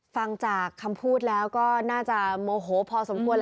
ฟังจากคำพูดแล้วก็น่าจะโมโหพอสมควร